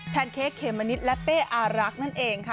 แนนเค้กเขมมะนิดและเป้อารักนั่นเองค่ะ